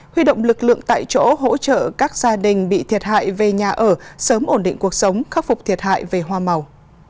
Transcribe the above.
huy động lực lượng tại chỗ hỗ trợ các gia đình bị thiệt hại về nhà ở sớm ổn định cuộc sống khắc phục thiệt hại về hoa màu